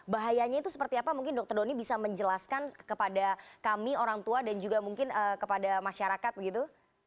bahayanya itu seperti apa mungkin dokter doni bisa menjelaskan kepada kami orang tua dan juga mungkin kepada masyarakat begitu